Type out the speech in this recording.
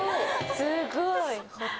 すごい。